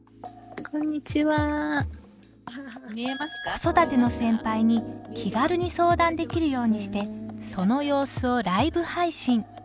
子育ての先輩に気軽に相談できるようにしてその様子をライブ配信。